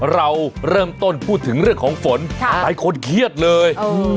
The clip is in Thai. เราเริ่มต้นพูดถึงเรื่องของฝนหลายคนเครียดเลย